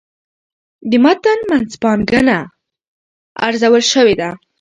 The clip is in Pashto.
د متن منځپانګه ارزول شوې ده.